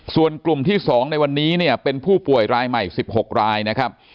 ส่วนกลุ่มที่๒ในวันนี้เนี่ยเป็นผู้ป่วยรายใหม่๑๖รายนะครับ